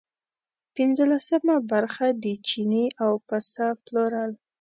پنځلسمه برخه د چیني او پسه پلورل.